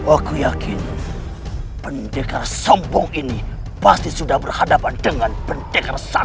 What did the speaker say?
aku yakin pendekar sombong ini pasti sudah berhadapan dengan pendekar ahli goda ini